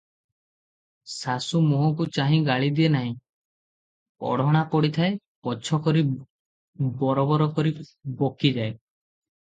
ଶାଶୁ ମୁହଁକୁ ଚାହିଁ ଗାଳି ଦିଏ ନାହିଁ; ଓଢ଼ଣା ପଡ଼ିଥାଏ, ପଛ କରି ବରବର କରି ବକିଯାଏ ।